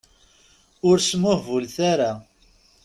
Ur smuhbulet ara.